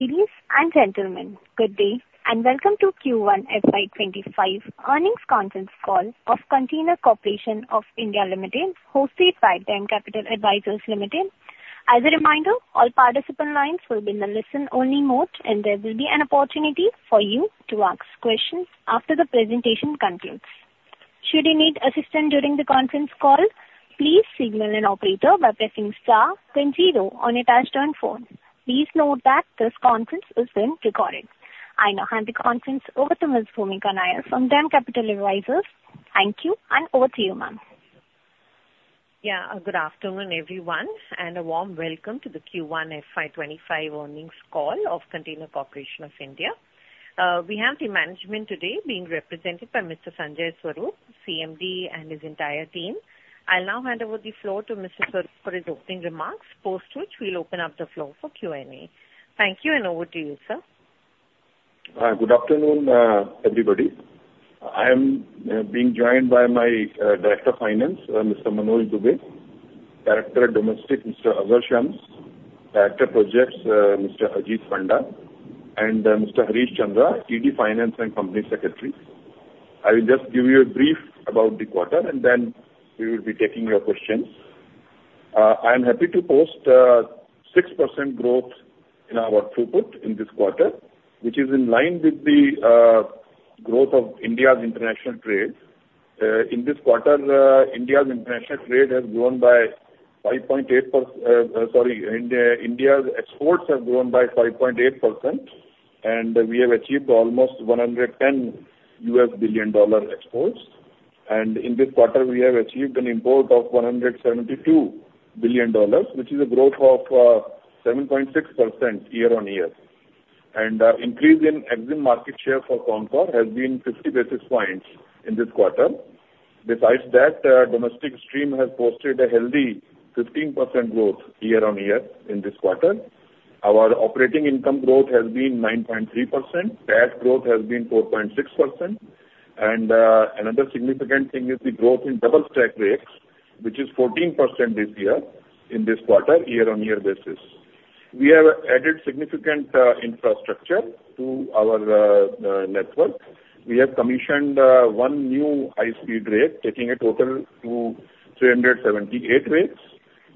Ladies and gentlemen, good day, and welcome to Q1 FY 2025 Earnings Conference Call of Container Corporation of India Limited, hosted by DAM Capital Advisors Limited. As a reminder, all participant lines will be in a listen-only mode, and there will be an opportunity for you to ask questions after the presentation concludes. Should you need assistance during the conference call, please signal an operator by pressing star then zero on your touchtone phone. Please note that this conference is being recorded. I now hand the conference over to Ms. Bhumika Nair from DAM Capital Advisors. Thank you, and over to you, ma'am. Yeah, good afternoon, everyone, and a warm welcome to the Q1 FY 2025 earnings call of Container Corporation of India. We have the management today being represented by Mr. Sanjay Swarup, CMD, and his entire team. I'll now hand over the floor to Mr. Swarup for his opening remarks, post which we'll open up the floor for Q&A. Thank you, and over to you, sir. Hi, good afternoon, everybody. I am being joined by my Director of Finance, Mr. Manoj Dubey; Director Domestic, Mr. Azhar Shams; Director Projects, Mr. Ajit Panda; and Mr. Harish Chandra, Executive Director Finance and Company Secretary. I will just give you a brief about the quarter, and then we will be taking your questions. I am happy to post 6% growth in our throughput in this quarter, which is in line with the growth of India's international trade. In this quarter, India's international trade has grown by 5.8%, sorry, India's exports have grown by 5.8%, and we have achieved almost $110 billion exports. In this quarter, we have achieved an import of $172 billion, which is a growth of 7.6% year-on-year. Increase in EXIM market share for CONCOR has been 50 basis points in this quarter. Besides that, domestic stream has posted a healthy 15% growth year-on-year in this quarter. Our operating income growth has been 9.3%, PAT growth has been 4.6%, and another significant thing is the growth in double stack rates, which is 14% this year, in this quarter, year-on-year basis. We have added significant infrastructure to our network. We have commissioned one new high-speed rake, taking a total to 378 rakes.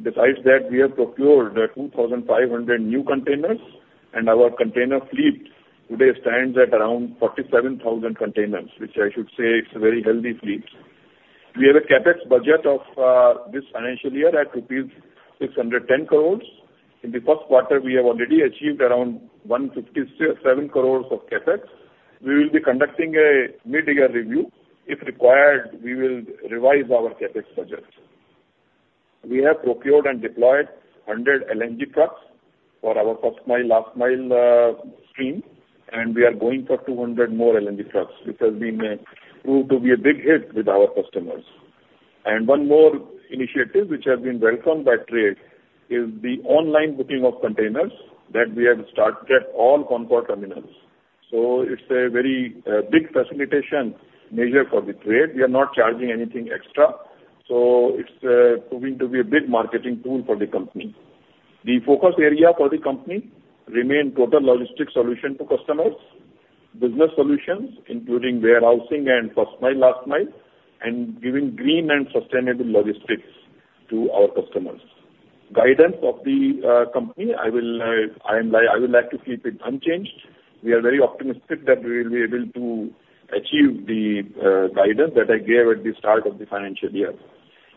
Besides that, we have procured 2,500 new containers, and our container fleet today stands at around 47,000 containers, which I should say, it's a very healthy fleet. We have a CapEx budget of this financial year at rupees 610 crore. In the first quarter, we have already achieved around 157 crore of CapEx. We will be conducting a mid-year review. If required, we will revise our CapEx budget. We have procured and deployed 100 LNG trucks for our first mile, last mile stream, and we are going for 200 more LNG trucks, which has been a proved to be a big hit with our customers. And one more initiative which has been welcomed by trade is the online booking of containers that we have started at all CONCOR terminals. So it's a very, big facilitation measure for the trade. We are not charging anything extra, so it's, proving to be a big marketing tool for the company. The focus area for the company remain total logistic solution to customers, business solutions, including warehousing and first mile, last mile, and giving green and sustainable logistics to our customers. Guidance of the, company, I will, I am like, I would like to keep it unchanged. We are very optimistic that we will be able to achieve the, guidance that I gave at the start of the financial year.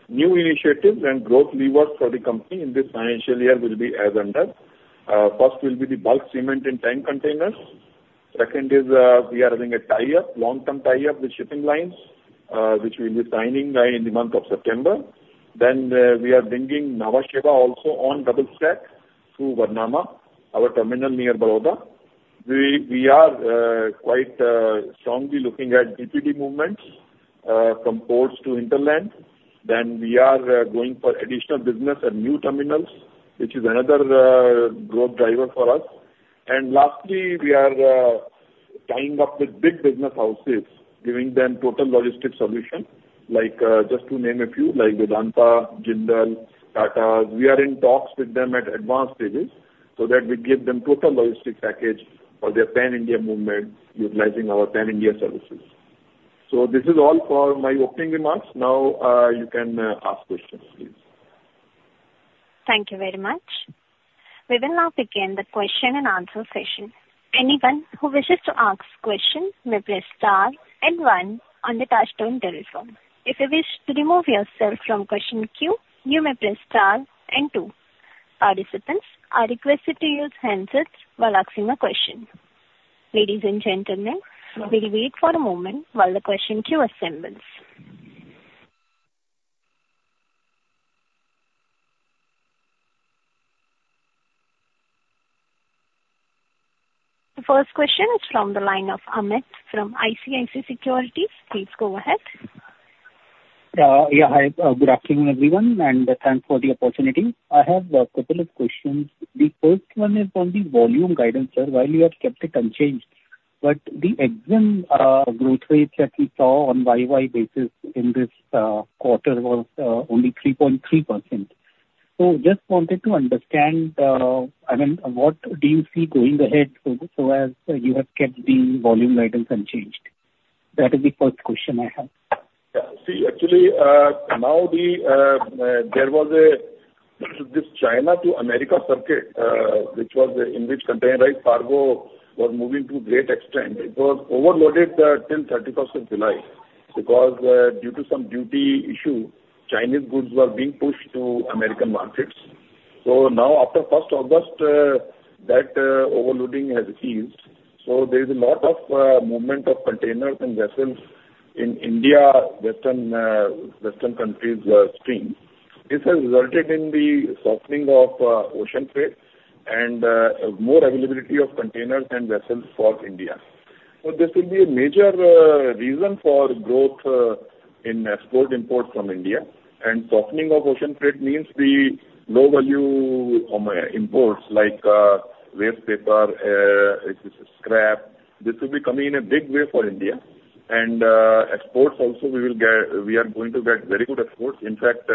New initiatives and growth levers for the company in this financial year will be as under. First will be the bulk cement in tank containers. Second is, we are having a tie-up, long-term tie-up with shipping lines, which we'll be signing, in the month of September. Then, we are bringing Nhava Sheva also on double stack through Varnama, our terminal near Vadodara. We are quite strongly looking at DPD movements, from ports to hinterland. Then we are going for additional business and new terminals, which is another growth driver for us. And lastly, we are tying up with big business houses, giving them total logistics solution, like just to name a few, like Vedanta, Jindal, Tata. We are in talks with them at advanced stages so that we give them total logistics package for their pan-India movement, utilizing our pan-India services. So this is all for my opening remarks. Now you can ask questions please. Thank you very much. We will now begin the question and answer session. Anyone who wishes to ask question may press star and one on the touchtone telephone. If you wish to remove yourself from question queue, you may press star and two. Participants are requested to use handsets while asking a question. Ladies and gentlemen, we'll wait for a moment while the question queue assembles. The first question is from the line of Amit, from ICICI Securities. Please go ahead. Yeah, hi, good afternoon, everyone, and thanks for the opportunity. I have a couple of questions. The first one is on the volume guidance, sir. Why you have kept it unchanged? But the EXIM growth rate that we saw on YoY basis in this quarter was only 3.3%. So just wanted to understand, I mean, what do you see going ahead, so as you have kept the volume items unchanged? That is the first question I have. Yeah. See, actually, now the, there was a, this China to America circuit, which was a in which container, cargo was moving to a great extent. It was overloaded, till 31st of July, because, due to some duty issue, Chinese goods were being pushed to American markets. So now, after 1st August, that, overloading has eased. So there is a lot of, movement of containers and vessels in India, Western, Western countries, stream. This has resulted in the softening of, ocean freight and, more availability of containers and vessels for India. So this will be a major, reason for growth, in export/import from India. And softening of ocean freight means the low value, imports like, waste paper, scrap. This will be coming in a big way for India. Exports also, we will get, we are going to get very good exports. In fact,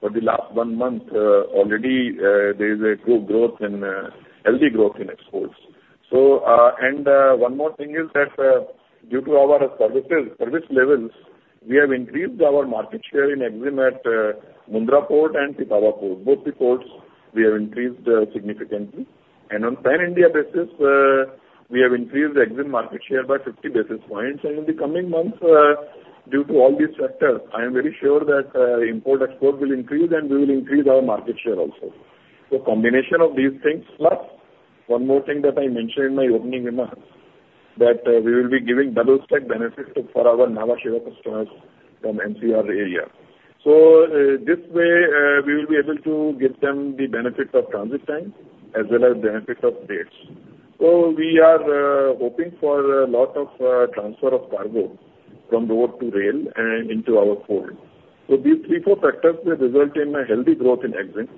for the last one month, already, there is a good growth in, healthy growth in exports. So, and, one more thing is that, due to our services, service levels, we have increased our market share in EXIM at, Mundra Port and Pipavav Port. Both the ports, we have increased, significantly. And on pan-India basis, we have increased the EXIM market share by 50 basis points. And in the coming months, due to all these factors, I am very sure that, import/export will increase, and we will increase our market share also. So combination of these things, plus one more thing that I mentioned in my opening remarks, that we will be giving double stack benefit to, for our Nhava Sheva customers from NCR area. So this way, we will be able to give them the benefit of transit time as well as benefit of rates. So we are hoping for a lot of transfer of cargo from road to rail and into our port. So these three, four factors may result in a healthy growth in EXIM,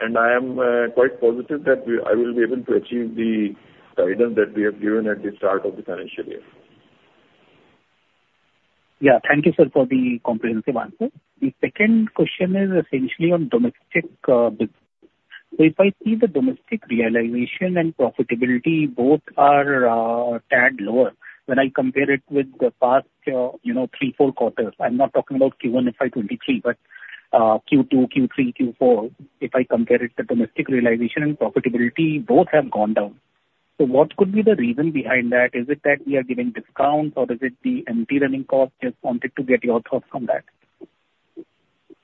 and I am quite positive that we, I will be able to achieve the guidance that we have given at the start of the financial year. Yeah. Thank you, sir, for the comprehensive answer. The second question is essentially on domestic business. So if I see the domestic realization and profitability, both are a tad lower when I compare it with the past, you know, three, four quarters. I'm not talking about Q1 FY 2023, but Q2, Q3, Q4. If I compare it to domestic realization and profitability, both have gone down. So what could be the reason behind that? Is it that we are giving discounts or is it the empty running cost? Just wanted to get your thoughts on that.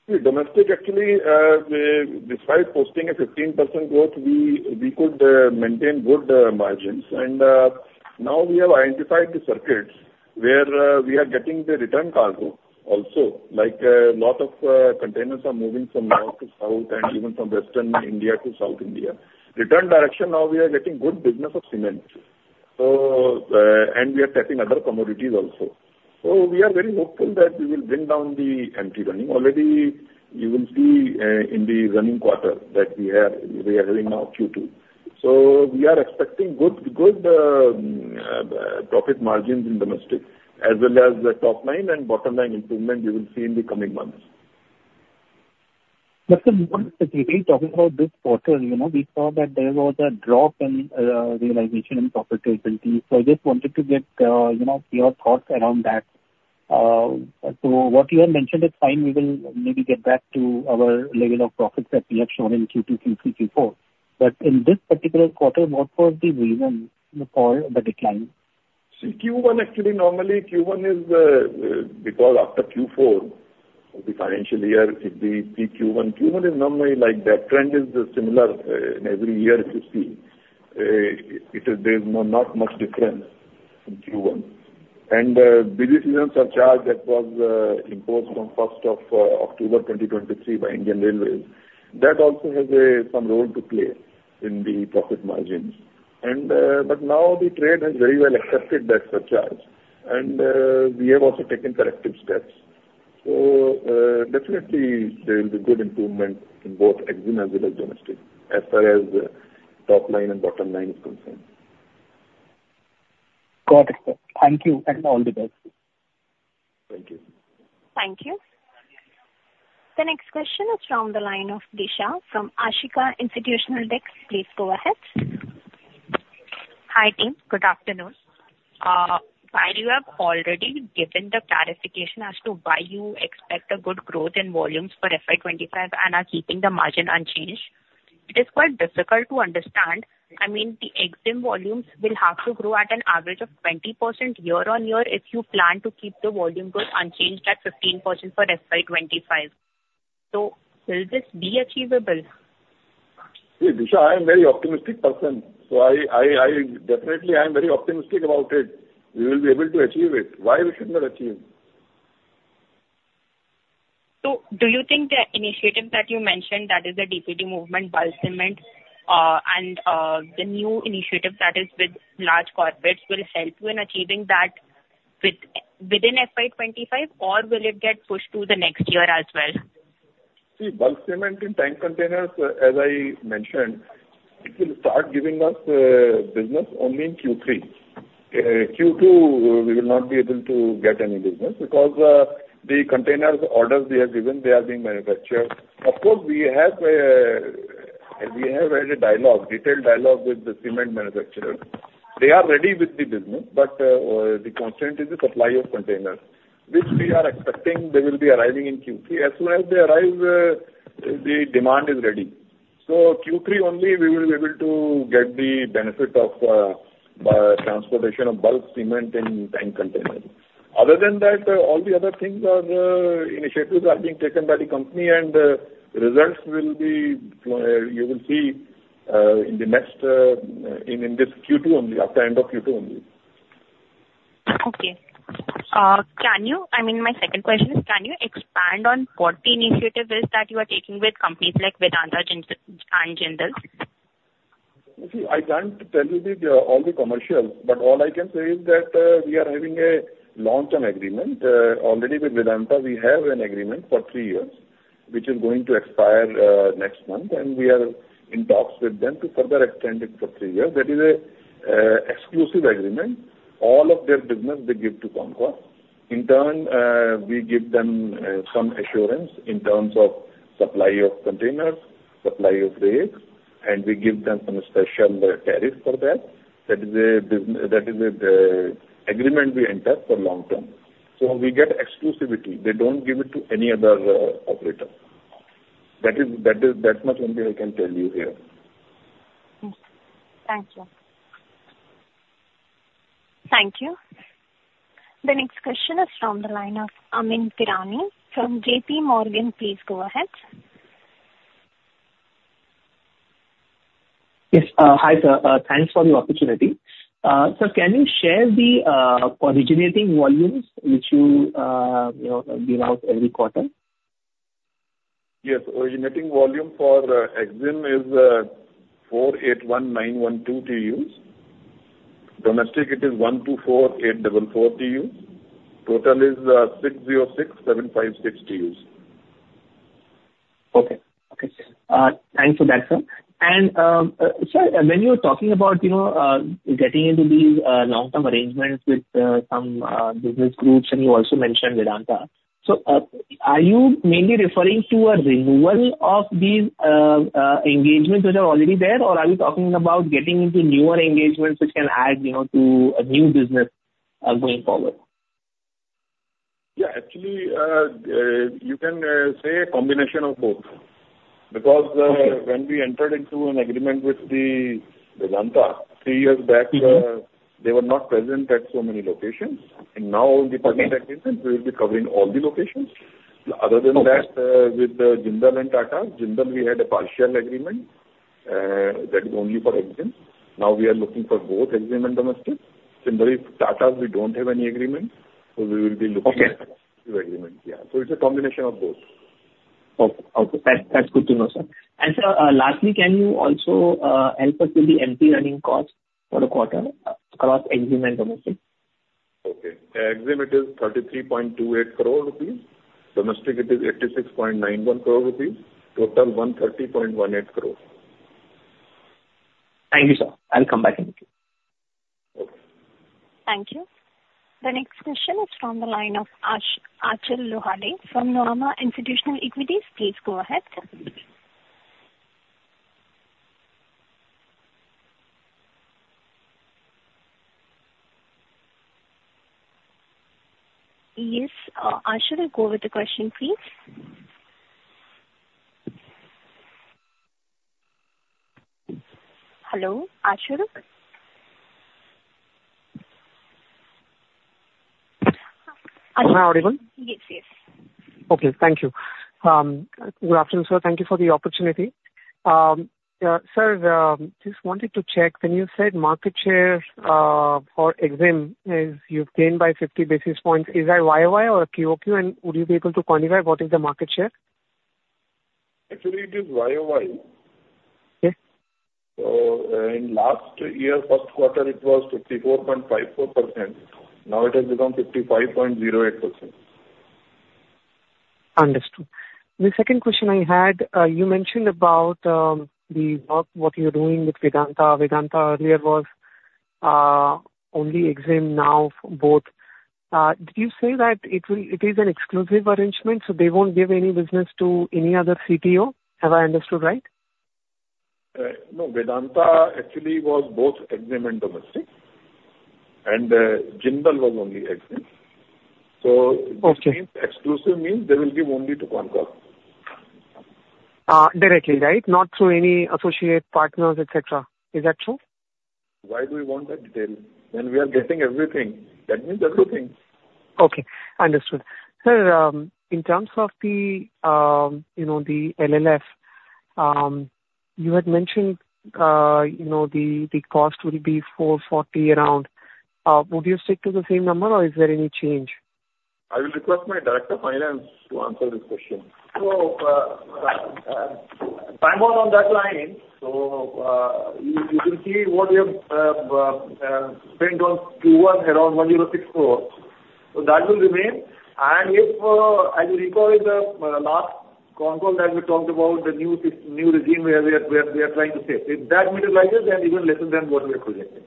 See, domestic actually, despite posting a 15% growth, we could maintain good margins. And now we have identified the circuits where we are getting the return cargo also. Like, lot of containers are moving from north to south and even from western India to South India. Return direction, now we are getting good business of cement. So, and we are tapping other commodities also. So we are very hopeful that we will bring down the empty running. Already you will see in the running quarter that we are having now, Q2. So we are expecting good profit margins in domestic, as well as the top line and bottom line improvement you will see in the coming months. But sir, talking about this quarter, you know, we saw that there was a drop in realization and profitability. So I just wanted to get, you know, your thoughts around that. So what you have mentioned is fine. We will maybe get back to our level of profits that we have shown in Q2, Q3, Q4. But in this particular quarter, what was the reason for the decline? See, Q1, actually, normally Q1 is, because after Q4 of the financial year, it be Q1. Q1 is normally like that. Trend is similar, in every year you see. It is, there's no, not much difference in Q1. And, the surcharge that was, imposed on first of, October 2023 by Indian Railways, that also has a, some role to play in the profit margins. But now the trade has very well accepted that surcharge, and, we have also taken corrective steps. So, definitely there will be good improvement in both EXIM as well as domestic, as far as, top line and bottom line is concerned. Got it, sir. Thank you, and all the best. Thank you. Thank you. The next question is from the line of Disha from Ashika Institutional Equities. Please go ahead. Hi, team. Good afternoon. While you have already given the clarification as to why you expect a good growth in volumes for FY 2025 and are keeping the margin unchanged, it is quite difficult to understand. I mean, the EXIM volumes will have to grow at an average of 20% year-on-year, if you plan to keep the volume growth unchanged at 15% for FY 2025. So will this be achievable? See, Disha, I am very optimistic person, so I definitely am very optimistic about it. We will be able to achieve it. Why we should not achieve? Do you think the initiatives that you mentioned, that is the DPD movement, bulk cement, and the new initiative that is with large corporates, will help you in achieving that within FY 2025, or will it get pushed to the next year as well? See, bulk cement in tank containers, as I mentioned, it will start giving us business only in Q3. Q2, we will not be able to get any business because the containers orders they have given, they are being manufactured. Of course, we have had a dialogue, detailed dialogue with the cement manufacturer. They are ready with the business, but the constraint is the supply of containers, which we are expecting they will be arriving in Q3. As soon as they arrive, the demand is ready. So Q3 only we will be able to get the benefit of transportation of bulk cement in tank containers. Other than that, all the other things are initiatives are being taken by the company, and results will be you will see in the next in this Q2 only, at the end of Q2 only. Okay. Can you—I mean, my second question is, can you expand on what the initiative is that you are taking with companies like Vedanta and Tata, and Jindal? You see, I can't tell you all the commercials, but all I can say is that we are having a long-term agreement. Already with Vedanta, we have an agreement for three years, which is going to expire next month, and we are in talks with them to further extend it for three years. That is a exclusive agreement. All of their business they give to CONCOR. In turn, we give them some assurance in terms of supply of containers, supply of rails, and we give them some special tariff for that. That is a agreement we enter for long term. So we get exclusivity. They don't give it to any other operator. That is that much only I can tell you here. Thank you. Thank you. The next question is from the line of Amyn Pirani from J.P. Morgan. Please go ahead. Yes. Hi, sir. Thanks for the opportunity. Sir, can you share the originating volumes which you, you know, give out every quarter? Yes. Originating volume for EXIM is 481,912 TEUs. Domestic it is 124,844 TEUs. Total is 606,756 TEUs. Okay. Okay. Thanks for that, sir. And, sir, when you were talking about, you know, getting into these, long-term arrangements with, some, business groups, and you also mentioned Vedanta. So, are you mainly referring to a renewal of these, engagements which are already there, or are you talking about getting into newer engagements which can add, you know, to a new business, going forward? Yeah, actually, you can say a combination of both. Okay. Because, when we entered into an agreement with the Vedanta three years back- Mm-hmm. -they were not present at so many locations, and now- Okay we will be covering all the locations. Okay. Other than that, with Jindal and Tata. Jindal, we had a partial agreement, that is only for EXIM. Now we are looking for both EXIM and domestic. Similarly, Tata, we don't have any agreement, so we will be looking- Okay. At the agreement. Yeah. -so it's a combination of both. Okay. Okay. That's good to know, sir. And sir, lastly, can you also help us with the empty running costs for the quarter across EXIM and domestic? Okay. EXIM, it is 33.28 crore rupees. Domestic, it is 86.91 crore rupees. Total, 130.18 crore. Thank you, sir. I'll come back to you. Okay. Thank you. The next question is from the line of Achal Lohade from Nuvama Institutional Equities. Please go ahead. Yes, Achal, go with the question, please. Hello, Achal? Am I audible? Yes, yes. Okay. Thank you. Good afternoon, sir. Thank you for the opportunity. Sir, just wanted to check, when you said market share for EXIM, you've gained by 50 basis points, is that YoY or QOQ? And would you be able to quantify what is the market share? Actually, it is YoY. Okay. In last year, first quarter, it was 54.54%. Now it has become 55.08%. Understood. The second question I had, you mentioned about the work, what you're doing with Vedanta. Vedanta earlier was only EXIM, now both. Did you say that it will, it is an exclusive arrangement, so they won't give any business to any other CTO? Have I understood right? No, Vedanta actually was both EXIM and domestic, and Jindal was only EXIM. Okay. So this means, exclusive means they will give only to CONCOR. Directly, right? Not through any associate partners, et cetera. Is that true? Why do we want that detail when we are getting everything? That means exclusive. Okay, understood. Sir, in terms of the, you know, the LLF, you had mentioned, you know, the cost will be around INR 440. Would you stick to the same number, or is there any change? I will request my Director of Finance to answer this question. I'm on that line. So, you will see volume went on Q1 around 1,064. So that will remain. And if, as you recall, in the last conference that we talked about the new regime where we are trying to say, if that materializes, then even lesser than what we are projecting.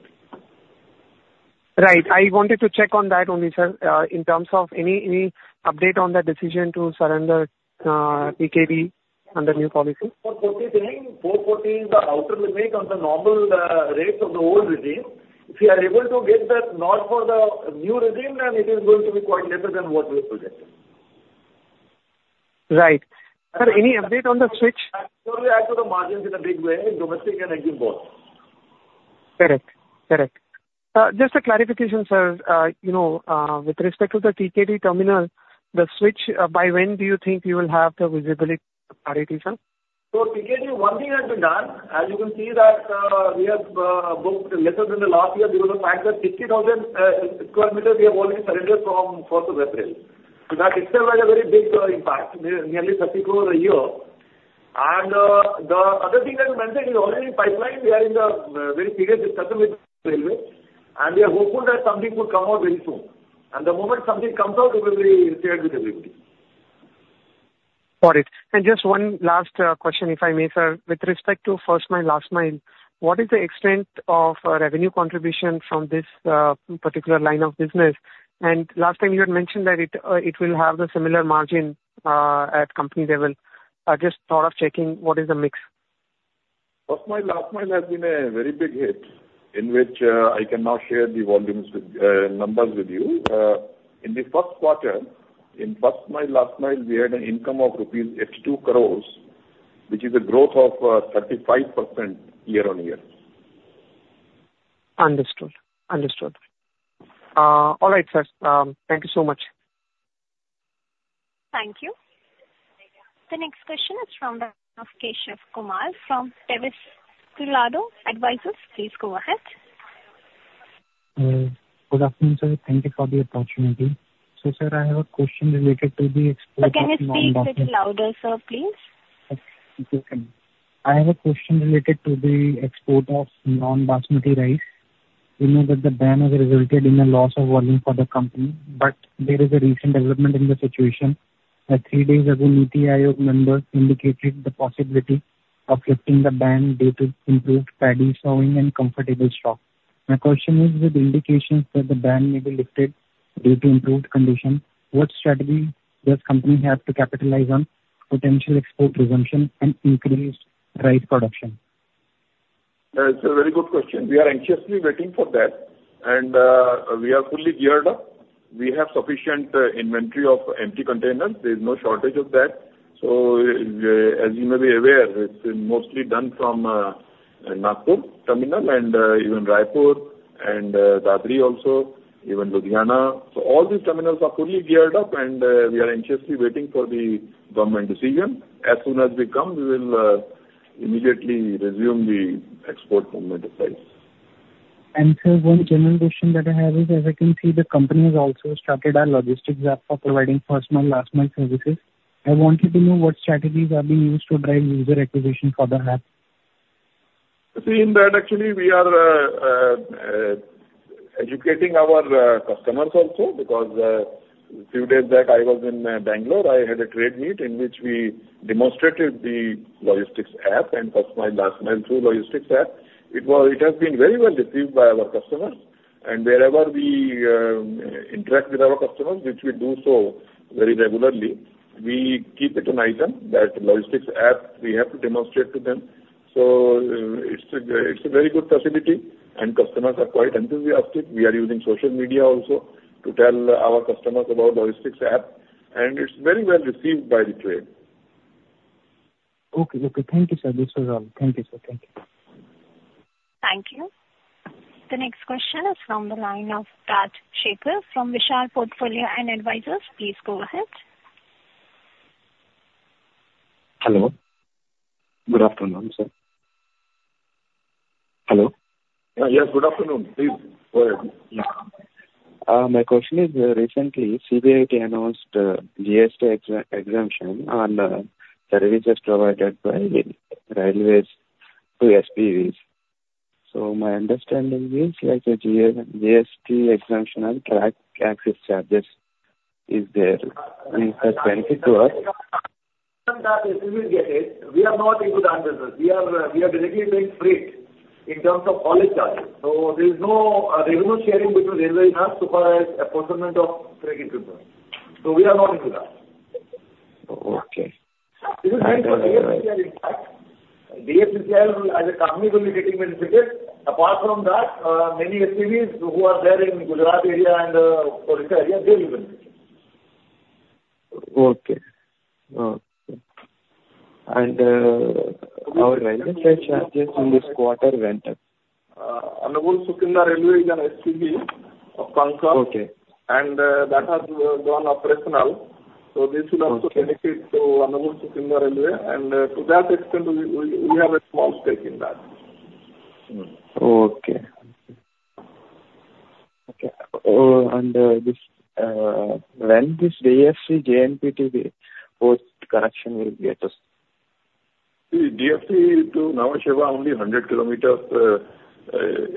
Right. I wanted to check on that only, sir. In terms of any, any update on the decision to surrender TKD under new policy? 414, 414 are out of the mix on the normal rates of the old regime. If we are able to get that not for the new regime, then it is going to be quite lesser than what we are projecting. Right. Sir, any update on the switch? That will add to the margins in a big way, domestic and export both. Correct. Correct. Just a clarification, sir. You know, with respect to the TKD terminal, the switch, by when do you think you will have the visibility clarity, sir? So TKD, one thing has been done. As you can see that, we have booked letters in the last year due to the fact that 60,000 sq m we have already surrendered from fourth of April. So that itself has a very big impact, nearly 30 crore a year. And the other thing that I mentioned is already in pipeline, we are in the very serious discussion with railway, and we are hopeful that something will come out very soon. And the moment something comes out, it will be shared with everybody. Got it. And just one last question, if I may, sir. With respect to first mile, last mile, what is the extent of revenue contribution from this particular line of business? And last time you had mentioned that it it will have the similar margin at company level. I just thought of checking what is the mix. First Mile Last Mile has been a very big hit, in which, I can now share the volumes with numbers with you. In the first quarter, in First Mile Last Mile, we had an income of rupees 82 crore, which is a growth of 35% year-on-year. Understood. Understood. All right, sir. Thank you so much. Thank you. The next question is from the line of Keshav Kumar from Desvelado Advisory. Please go ahead. Good afternoon, sir. Thank you for the opportunity. So sir, I have a question related to the export- Sir, can you speak a little louder, sir, please? Okay. I have a question related to the export of non-basmati rice. We know that the ban has resulted in a loss of volume for the company, but there is a recent development in the situation, that three days ago, NITI Aayog member indicated the possibility of lifting the ban due to improved paddy sowing and comfortable stock. My question is, with indications that the ban may be lifted due to improved conditions, what strategy does company have to capitalize on potential export resumption and increased rice production? That's a very good question. We are anxiously waiting for that, and we are fully geared up. We have sufficient inventory of empty containers. There is no shortage of that. So as you may be aware, it's mostly done from Nagpur terminal and even Raipur and Dadri also, even Ludhiana. So all these terminals are fully geared up, and we are anxiously waiting for the government decision. As soon as they come, we will immediately resume the export movement of rice. Sir, one general question that I have is, as I can see, the company has also started a logistics app for providing first mile, last mile services. I wanted to know what strategies are being used to drive user acquisition for the app? See, in that actually we are educating our customers also, because few days back, I was in Bangalore. I had a trade meet in which we demonstrated the logistics app and first mile, last mile through logistics app. It was... It has been very well received by our customers, and wherever we interact with our customers, which we do so very regularly, we keep it an item that logistics app we have to demonstrate to them. So it's a very good facility, and customers are quite enthusiastic. We are using social media also to tell our customers about logistics app, and it's very well received by the trade. Okay. Okay. Thank you, sir. This is all. Thank you, sir. Thank you. Thank you. The next question is from the line of Raj Shekhar from Vishal Portfolio and Advisors. Please go ahead. Hello. Good afternoon, sir. Hello? Yes, good afternoon. Please, go ahead. My question is, recently, CBIC announced, GST exemption on, services provided by railways to SPVs. So my understanding is like a GST exemption on track access charges is there for 22? That is, we get it. We are not into that business. We are, we are directly doing freight in terms of hauling charges. So there is no, revenue sharing between railway and us to provide apportionment of freight equipment. So we are not into that. Okay. It is only for DFCCIL impact. DFCCIL as a company will be getting benefited. Apart from that, many SPVs who are there in Gujarat area and Odisha area, they will benefit. Okay. Okay. And, our railway fare charges in this quarter went up? Angul Sukinda Railway is an SPV of CONCOR. Okay. And that has gone operational. So this will also- Okay. -benefit to Angul Sukinda Railway, and to that extent, we have a small stake in that. Okay. Okay. And this, when this DFCC JNPT port connection will get us? The DFC to Nhava Sheva, only 100 km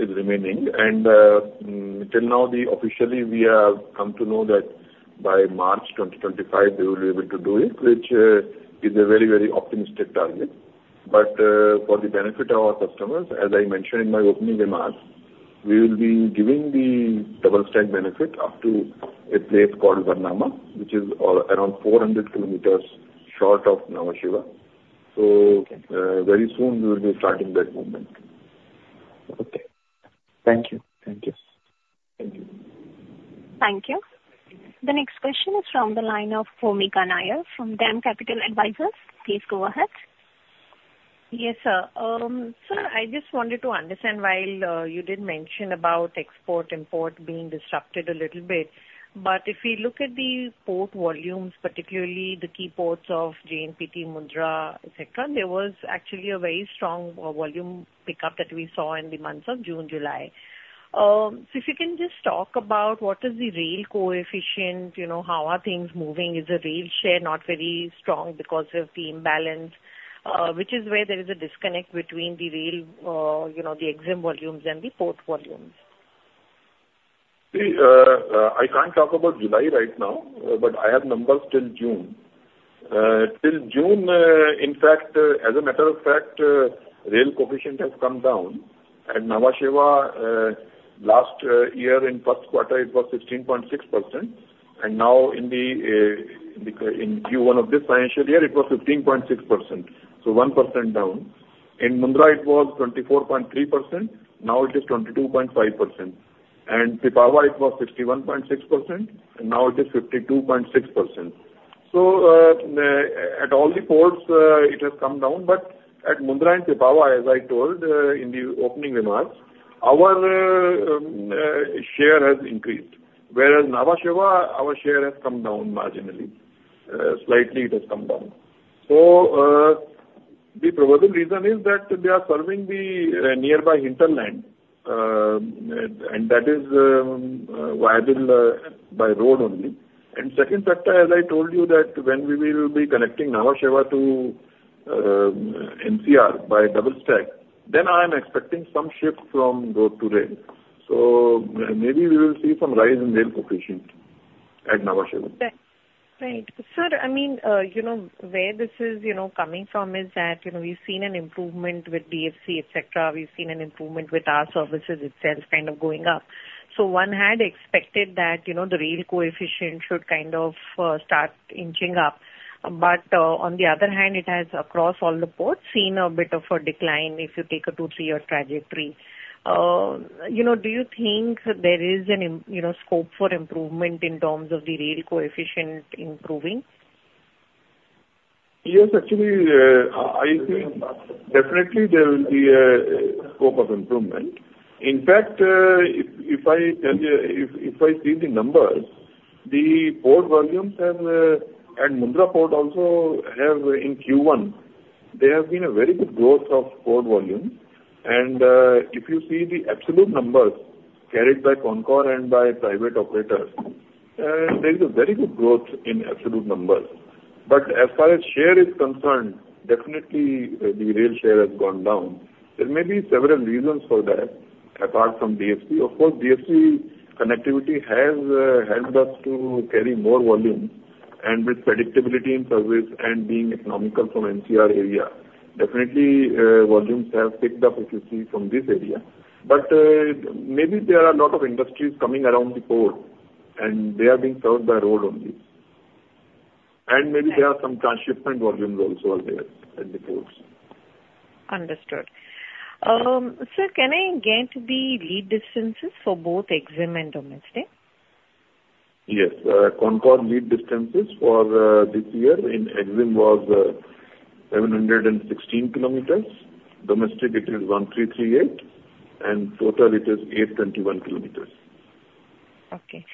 is remaining. And till now, we have officially come to know that by March 2025, they will be able to do it, which is a very, very optimistic target. But for the benefit of our customers, as I mentioned in my opening remarks, we will be giving the double stack benefit up to a place called Varnama, which is around 400 km short of Nhava Sheva. So very soon we will be starting that movement. Okay. Thank you. Thank you. Thank you. Thank you. The next question is from the line of Bhumika Nair, from DAM Capital Advisors. Please go ahead. Yes, sir. Sir, I just wanted to understand why, you did mention about export, import being disrupted a little bit, but if we look at the port volumes, particularly the key ports of JNPT, Mundra, et cetera, there was actually a very strong, volume pickup that we saw in the months of June, July. So if you can just talk about what is the rail coefficient, you know, how are things moving? Is the rail share not very strong because of the imbalance, which is where there is a disconnect between the rail, you know, the EXIM volumes and the port volumes? See, I can't talk about July right now, but I have numbers till June. Till June, in fact, as a matter of fact, rail coefficient has come down. At Nhava Sheva, last year in first quarter, it was 16.6%, and now in Q1 of this financial year, it was 15.6%, so 1% down. In Mundra, it was 24.3%, now it is 22.5%. And Pipavav, it was 51.6%, and now it is 52.6%. So, at all the ports, it has come down, but at Mundra and Pipavav, as I told in the opening remarks, our share has increased, whereas Nhava Sheva, our share has come down marginally. Slightly it has come down. So, the probable reason is that they are serving the nearby hinterland, and that is viable by road only. And second factor, as I told you, that when we will be connecting Nhava Sheva to NCR by double stack, then I am expecting some shift from road to rail. So maybe we will see some rise in rail coefficient at Nhava Sheva. Right. Sir, I mean, you know, where this is, you know, coming from is that, you know, we've seen an improvement with DFC, et cetera. We've seen an improvement with our services itself kind of going up. So one had expected that, you know, the rail coefficient should kind of start inching up. But, on the other hand, it has, across all the ports, seen a bit of a decline, if you take a 2-3-year trajectory. You know, do you think there is, you know, scope for improvement in terms of the rail coefficient improving? Yes, actually, I think definitely there will be a scope of improvement. In fact, if I tell you, if I see the numbers, the port volumes have at Mundra Port also have in Q1, there have been a very good growth of port volume. And if you see the absolute numbers carried by CONCOR and by private operators, there is a very good growth in absolute numbers. But as far as share is concerned, definitely, the rail share has gone down. There may be several reasons for that, apart from DFC. Of course, DFC connectivity has helped us to carry more volume, and with predictability in service and being economical from NCR area, definitely, volumes have picked up, if you see, from this area. Maybe there are a lot of industries coming around the port, and they are being served by road only. Maybe there are some transshipment volumes also out there at the ports. Understood. Sir, can I get the lead distances for both EXIM and domestic? Yes. CONCOR lead distances for this year in EXIM was 716 kilometers. Domestic, it is 1,338. And total, it is 821 kilometers. Okay.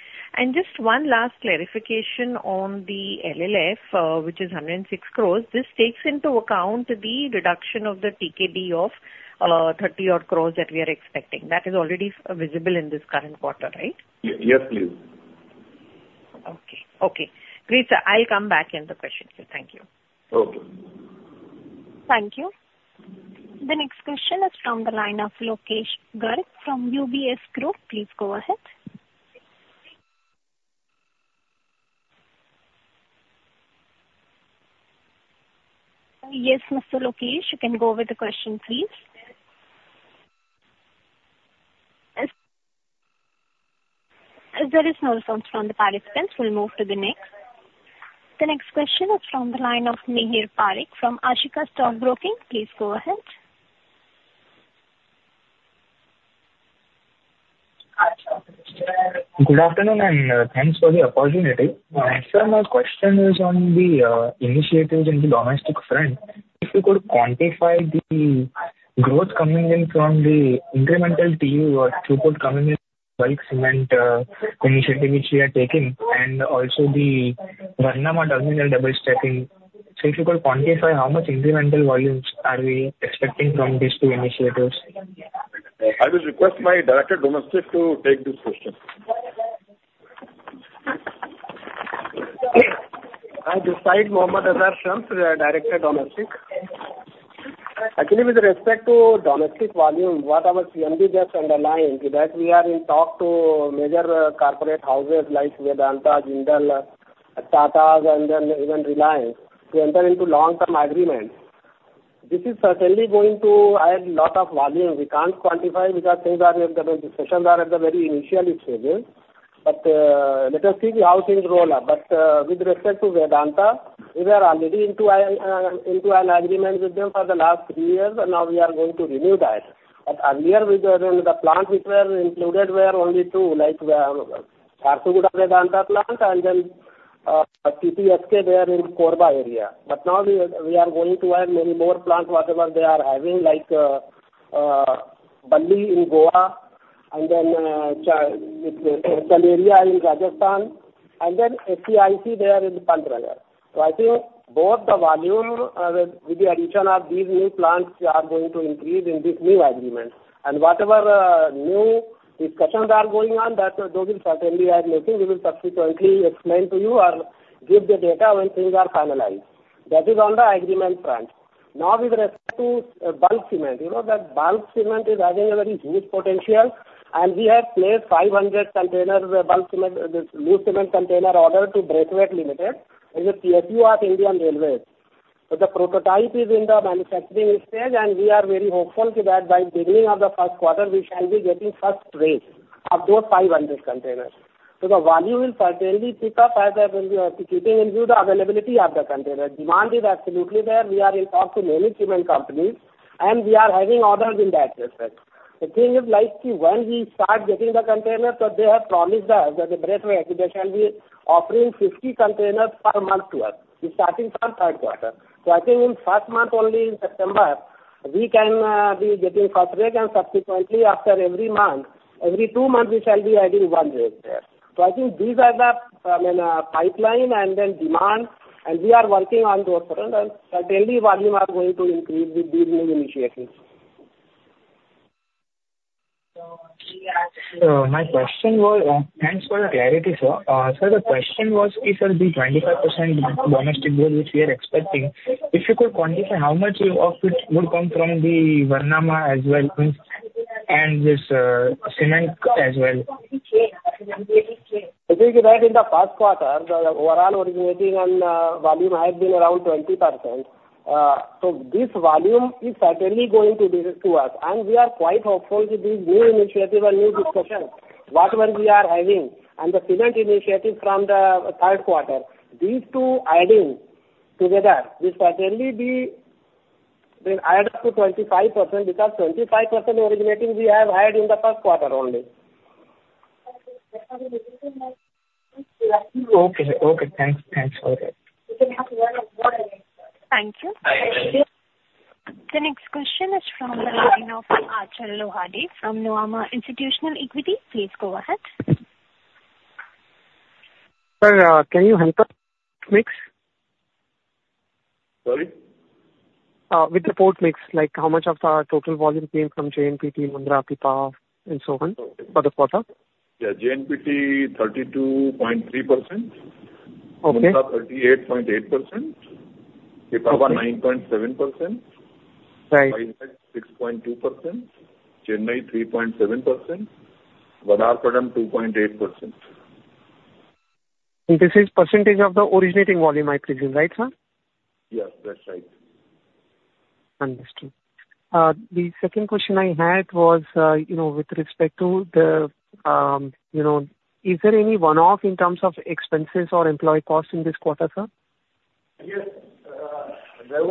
Just one last clarification on the LLF, which is 106 crore. This takes into account the reduction of the TKD of 30-odd crore that we are expecting. That is already visible in this current quarter, right? Yes, please. Okay. Okay. Please, sir, I'll come back in the question. So thank you. Okay. Thank you. The next question is from the line of Lokesh Garg from UBS Group. Please go ahead. Yes, Mr. Lokesh, you can go with the question, please. As there is no response from the participant, we'll move to the next. The next question is from the line of Mihir Parekh from Ashika Stock Broking. Please go ahead. Good afternoon, and, thanks for the opportunity. Sir, my question is on the, initiatives in the domestic front. If you could quantify the growth coming in from the incremental team or throughput coming in bulk cement, initiative which we are taking, and also the Varnama terminal double stacking. So if you could quantify how much incremental volumes are we expecting from these two initiatives? I will request my director domestic to take this question.... And besides Mohammad Azhar Shams, the Director Domestic. Actually, with respect to domestic volume, what our CMD just underlined, that we are in talk to major corporate houses like Vedanta, Jindal, Tatas, and then even Reliance, to enter into long-term agreements. This is certainly going to add lot of volume. We can't quantify because things are at the, discussions are at the very initial stages, but, let us see how things roll out. But, with respect to Vedanta, we are already into an, into an agreement with them for the last three years, and now we are going to renew that. But earlier, we were in the plant, which were included, were only two, like, Jharsuguda Vedanta plant, and then, Korba there in Korba area. But now we are going to add many more plants whatever they are having, like, Balli in Goa and then, Chanderiya in Rajasthan, and then ACIC there in Punjab. So I think both the volume with the addition of these new plants are going to increase in this new agreement. And whatever new discussions are going on, that those will certainly add making, we will subsequently explain to you or give the data when things are finalized. That is on the agreement front. Now, with respect to bulk cement, you know, that bulk cement is having a very huge potential, and we have placed 500 container bulk cement, this loose cement container order to Braithwaite & Co Ltd. It is a PSU of Indian Railways. The prototype is in the manufacturing stage, and we are very hopeful that by beginning of the first quarter, we shall be getting first phase of those 500 containers. The volume will certainly pick up as that will be executing into the availability of the container. Demand is absolutely there. We are in talk to many cement companies, and we are having orders in that respect. The thing is like, when we start getting the container, so they have promised us, that the Braithwaite, they shall be offering 50 containers per month to us, starting from third quarter. I think in first month, only in September, we can be getting first break, and subsequently, after every month, every two months, we shall be adding one phase there. So I think these are the, I mean, pipeline and then demand, and we are working on those front, and certainly volume are going to increase with these new initiatives. So my question was, Thanks for the clarity, sir. Sir, the question was, if the 25% domestic goal, which we are expecting, if you could quantify how much of it would come from the Varnama as well, and, and this, cement as well? I think that in the first quarter, the overall originating and volume has been around 20%. So this volume is certainly going to deliver to us, and we are quite hopeful that these new initiative and new discussions, whatever we are having, and the cement initiative from the third quarter, these two adding together will certainly be, will add up to 25%, because 25% originating we have had in the first quarter only. Okay. Okay, thanks. Thanks for that. Thank you. Thank you. The next question is from the line of Achal Lohade from Nuvama Institutional Equities. Please go ahead. Sir, can you help us with port mix? Sorry. With the port mix, like, how much of the total volume came from JNPT, Mundra, Pipavav and so on, for this quarter? Yeah. JNPT, 32.3%. Okay. Mundra, 38.8%. Pipavav, 9.7%. Right. 6.2%. Chennai, 3.7%. Visakhapatnam, 2.8%. This is percentage of the originating volume, I presume, right, sir? Yes, that's right. Understood. The second question I had was, you know, with respect to the, you know, is there any one-off in terms of expenses or employee costs in this quarter, sir? Yes, there was one-off only, that, otherwise we will be maintaining that 5% rise in the coming quarter. Sorry, sir, can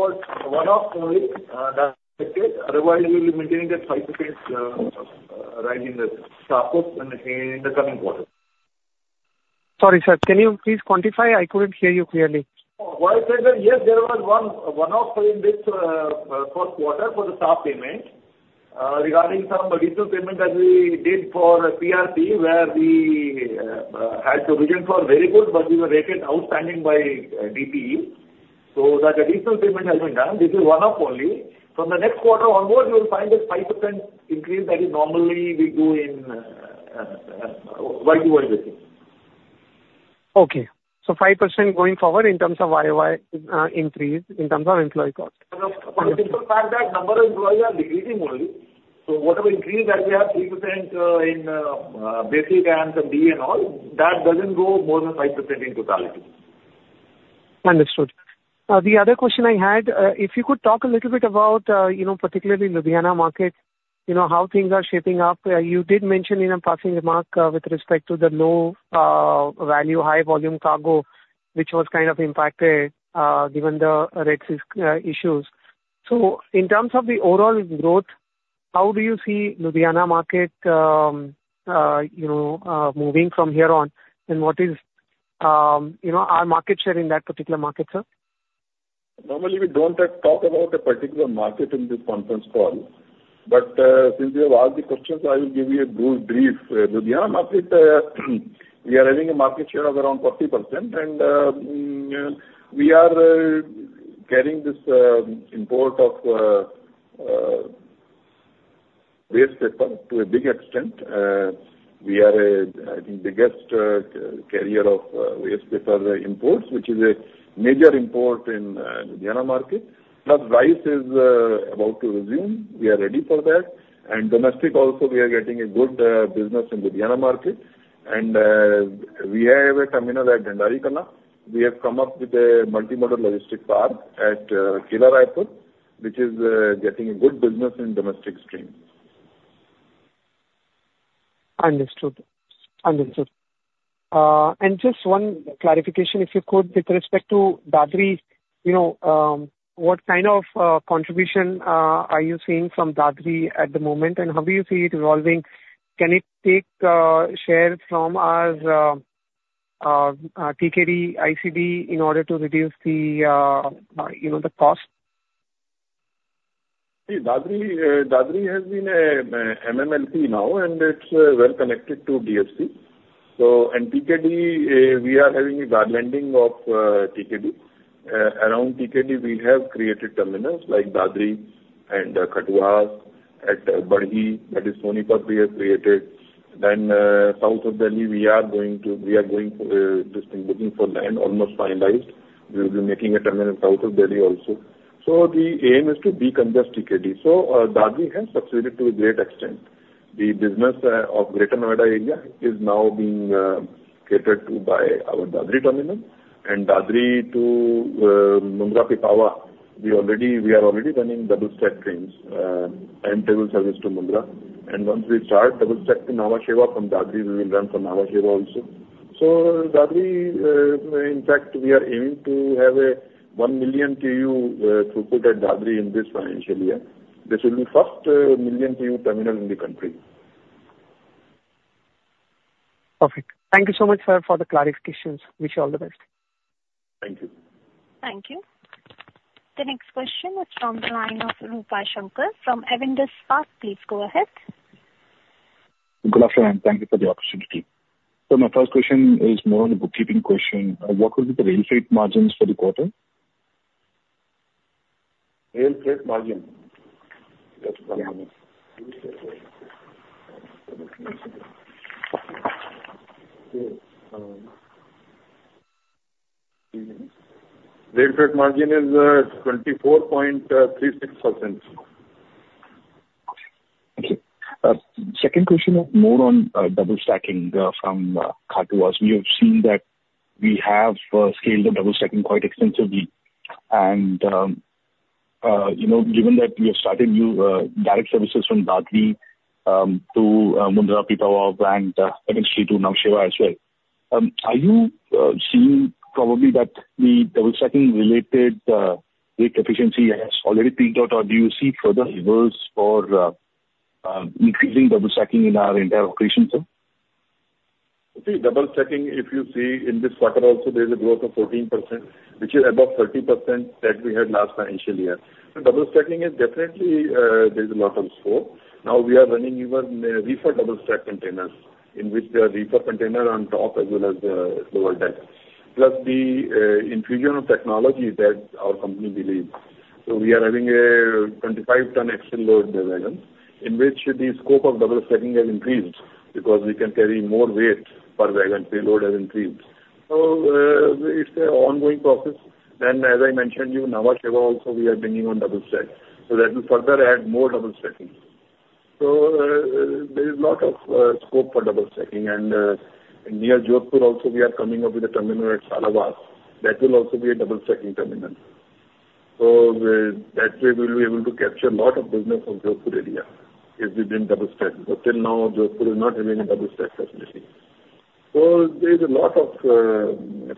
you please quantify? I couldn't hear you clearly. Oh, well, yes, there was one one-off in this first quarter for the staff payment regarding some additional payment that we did for PRP, where we had provision for very good, but we were rated outstanding by DPE. So that additional payment has been done. This is one-off only. From the next quarter onwards, you will find this 5% increase that is normally we do in Y to Y basis. Okay. So 5% going forward in terms of YoY increase in terms of employee cost. For the simple fact that number of employees are decreasing only, so whatever increase that we have, 3%, in basic and the D and all, that doesn't go more than 5% in totality. Understood. The other question I had, if you could talk a little bit about, you know, particularly Ludhiana market, you know, how things are shaping up. You did mention in a passing remark, with respect to the low value, high volume cargo, which was kind of impacted, given the rate risk issues. So in terms of the overall growth, how do you see Ludhiana market, you know, moving from here on, and what is, you know, our market share in that particular market, sir? Normally, we don't talk about a particular market in this conference call, but since you have asked the question, so I will give you a good brief. Ludhiana market, we are having a market share of around 40%, and we are getting this import to a big extent. We are, I think, the biggest carrier of waste paper imports, which is a major import in the Ludhiana market. Plus rice is about to resume. We are ready for that. And domestic also, we are getting a good business in the Ludhiana market. And we have a terminal at Dhandari Kalan. We have come up with a multi-modal logistic park at Kila Raipur, which is getting a good business in domestic stream. Understood. Understood. And just one clarification, if you could, with respect to Dadri, you know, what kind of contribution are you seeing from Dadri at the moment, and how do you see it evolving? Can it take share from our TKD, ICD in order to reduce, you know, the cost? See, Dadri has been a MMLP now, and it's well connected to DFC. So, and TKD, we are having a handling of TKD. Around TKD we have created terminals like Dadri and Kathuwas. At Barhi, that is Sonipat, we have created. Then, south of Delhi, we are going to just looking for land, almost finalized. We'll be making a terminal south of Delhi also. So the aim is to decongest TKD. So, Dadri has succeeded to a great extent. The business of Greater Noida area is now being catered to by our Dadri terminal. And Dadri to Mundra Pipavav, we are already running double-stack trains, and timetabled service to Mundra. And once we start double-stack to Nhava Sheva from Dadri, we will run from Nhava Sheva also. So Dadri, in fact, we are aiming to have a 1 million TEU throughput at Dadri in this financial year. This will be first million TEU terminal in the country. Perfect. Thank you so much, sir, for the clarifications. Wish you all the best. Thank you. Thank you. The next question is from the line of Rupesh Shankar from Avendus Capital. Please go ahead. Good afternoon, and thank you for the opportunity. My first question is more on a bookkeeping question. What will be the rail freight margins for the quarter? Rail freight margin? That's inaudible. Rail freight margin is 24.36%. Thank you. Second question is more on, double stacking, from, Kathuwas. We have seen that we have, scaled the double stacking quite extensively. And, you know, given that we have started new, direct services from Dadri, to, Mundra, Pipavav and next week to Nhava Sheva as well, are you, seeing probably that the double stacking related, rate efficiency has already peaked out, or do you see further levers for, increasing double stacking in our entire operation, sir? See, double stacking, if you see in this quarter also, there's a growth of 14%, which is above 30% that we had last financial year. So double stacking is definitely, there's a lot of scope. Now, we are running even, reefer double stack containers, in which the reefer container on top as well as the lower deck. Plus the, infusion of technology that our company believes. So we are having a 25-ton axle load per wagon, in which the scope of double stacking has increased because we can carry more weight per wagon, payload has increased. So, it's an ongoing process. Then, as I mentioned to you, Nhava Sheva also, we are bringing on double stack, so that will further add more double stacking. So, there is a lot of scope for double stacking. Near Jodhpur also, we are coming up with a terminal at Salawas. That will also be a double stacking terminal. That way we will be able to capture a lot of business from Jodhpur area if we bring double stack. But till now, Jodhpur is not having a double stack facility. So there is a lot of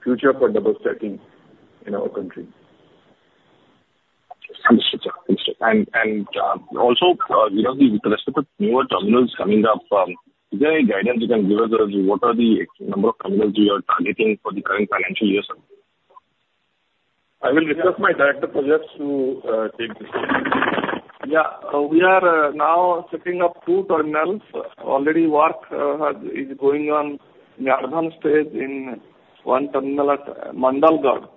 future for double stacking in our country. Understood, sir. Understood. And, also, you know, with respect to newer terminals coming up, is there any guidance you can give us as what are the number of terminals you are targeting for the current financial year, sir? I will request my director projects to take this. Yeah. We are now setting up two terminals. Already work is going on in advanced stage in one terminal at Mandalgarh,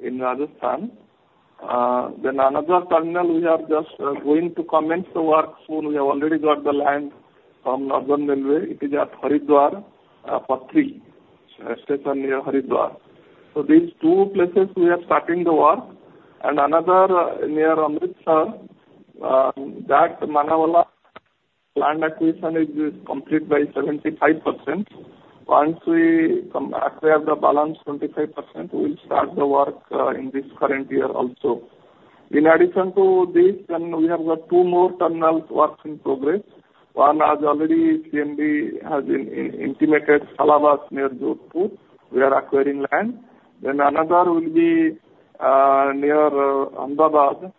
in Rajasthan. Then another terminal, we are just going to commence the work soon. We have already got the land from Northern Railway. It is at Haridwar, Pathri, a station near Haridwar. So these two places we are starting the work. And another near Amritsar, that Manawala land acquisition is complete by 75%. Once we come acquire the balance 25%, we'll start the work in this current year also. In addition to this, then we have got two more terminal works in progress. One, as already CMD has intimated, Salawas, near Jodhpur, we are acquiring land. Then another will be near Ahmedabad,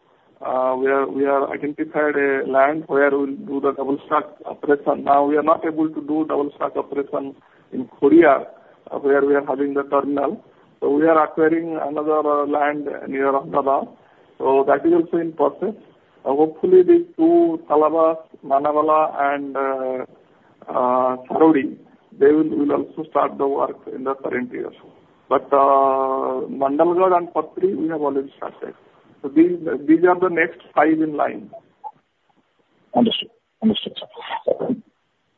where we have identified a land where we'll do the double stack operation. Now, we are not able to do double stack operation in Khodiyar, where we are having the terminal. So we are acquiring another land near Ahmedabad, so that is also in process. Hopefully, these two, Salawas, Manawala and-... they will also start the work in the current year. But, Mandalgarh and Pathri, we have already started. So these are the next five in line. Understood. Understood, sir.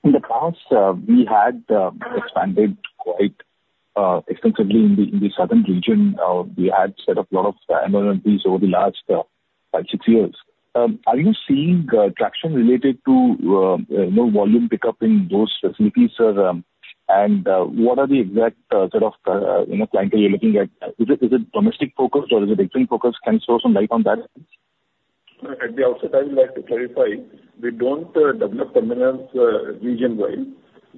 In the past, we had expanded quite extensively in the southern region. We had set up a lot of MMLPs over the last 5, 6 years. Are you seeing traction related to, you know, volume pickup in those facilities, sir? And, what are the exact sort of, you know, clientele you're looking at? Is it domestic focused or is it export focused? Can you throw some light on that? At the outset, I would like to clarify, we don't develop terminals region-wide.